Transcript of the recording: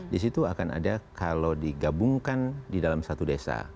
di situ akan ada kalau digabungkan di dalam satu desa